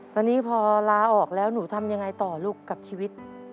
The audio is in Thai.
ตอนนี้พอลาออกแล้วหนูทำยังไงต่อลูกกับชีวิต